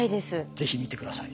是非見て下さい。